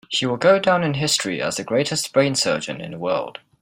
She will go down in history as the greatest brain surgeon in the world.